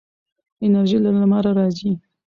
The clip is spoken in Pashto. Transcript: انرژي له لمره راځي.